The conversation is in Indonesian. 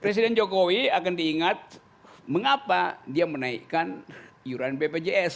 presiden jokowi akan diingat mengapa dia menaikkan iuran bpjs